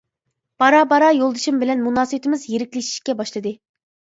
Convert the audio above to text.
بارا-بارا يولدىشىم بىلەن مۇناسىۋىتىمىز يىرىكلىشىشكە باشلىدى.